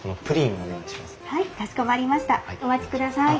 お待ちください。